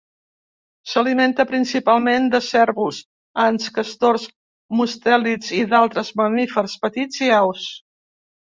S'alimenta principalment de cérvols, ants, castors, mustèlids i d'altres mamífers petits i aus.